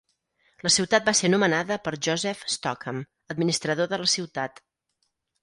La ciutat va ser nomenada per Joseph Stockham, administrador de la ciutat.